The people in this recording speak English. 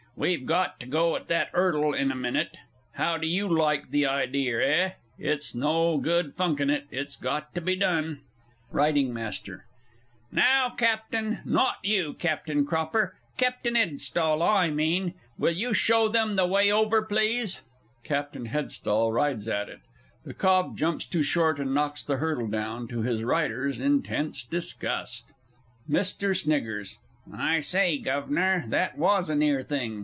We've got to go at that 'urdle in a minute. How do you like the ideer, eh? It's no good funking it it's got to be done! R. M. Now, Captin not you, Captin Cropper Captin 'Edstall I mean, will you show them the way over, please? [CAPTAIN H. rides at it; the cob jumps too short, and knocks the hurdle down to his rider's intense disgust. MR. S. I say, Guvnor, that was a near thing.